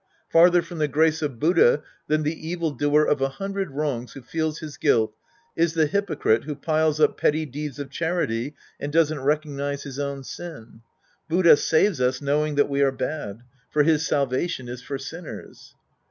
Farther from the grace of Buddha than the evil doer of a hundred wi ongs who feels his guilt is the hypocrite who piles up petty deeds of charity and doesn't recognize his own sin. Buddha saves us knowing that we are bad. For his salvation is for sinners.